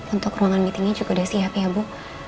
untuk ruangan meetingnya juga sudah siap ya bu